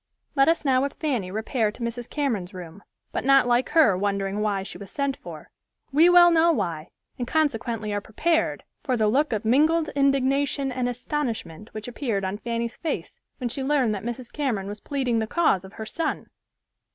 Let us now with Fanny repair to Mrs. Cameron's room, but not like her wondering why she was sent for. We well know why, and consequently are prepared for the look of mingled indignation and astonishment which appeared on Fanny's face when she learned that Mrs. Cameron was pleading the cause of her son!